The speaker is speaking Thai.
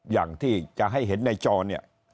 อย่างที่จะให้เห็นในจอเนี่ย